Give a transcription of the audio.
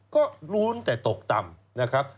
ก็ลุ้นแต่ตกต่ำนะครับ